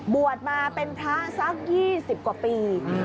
บวชมาเป็นพระสัก๒๐กว่าปี